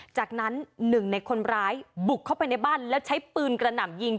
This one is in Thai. จากนั้นหนึ่งในคนร้ายบุกเข้าไปในบ้านแล้วใช้ปืนกระหน่ำยิง